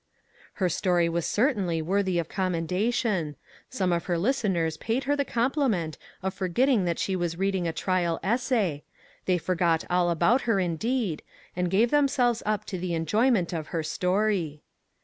Her story was certainly worthy of commenda tion ; some of her listeners paid her the compli ment of forgetting that she was reading a trial essay they forgot all about her, indeed, and gave themselves up to .the enjoyment of her story.